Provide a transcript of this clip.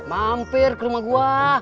mampir ke rumah gua